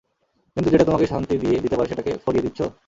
কিন্তু যেটা তোমাকে শান্তি দিতে পারে সেটাকে ফরিয়ে দিচ্ছ।